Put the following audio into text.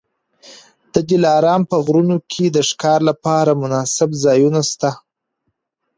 د دلارام په غرونو کي د ښکار لپاره مناسب ځایونه سته.